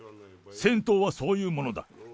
戦闘はそういうものだ。